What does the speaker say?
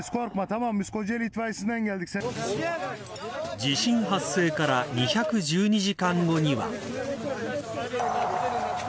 地震発生から２１２時間後には。